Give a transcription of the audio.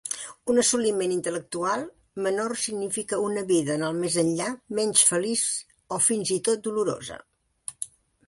Un assoliment intel·lectual menor significa una vida en el més enllà menys feliç o fins i tot dolorosa.